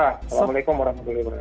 assalamualaikum warahmatullahi wabarakatuh